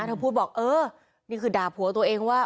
เธอพูดบอกเออนี่คือด่าผัวตัวเองว่า